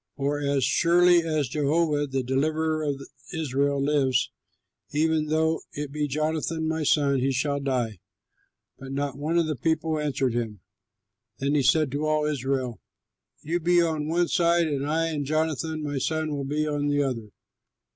For as surely as Jehovah the deliverer of Israel lives, even though it be Jonathan my son, he shall die." But not one of the people answered him. Then he said to all Israel, "You be on one side, and I and Jonathan my son will be on the other."